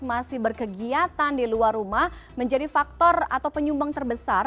masih berkegiatan di luar rumah menjadi faktor atau penyumbang terbesar